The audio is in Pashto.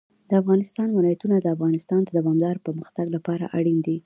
د افغانستان ولايتونه د افغانستان د دوامداره پرمختګ لپاره اړین دي.